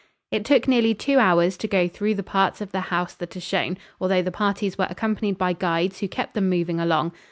It took nearly two hours to go through the parts of the house that are shown, although the parties were accompanied by guides who kept them moving along.